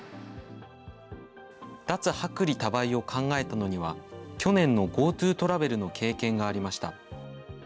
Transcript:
脱・薄利多売を考えたのには去年のＧｏＴｏトラベルの経験がありました。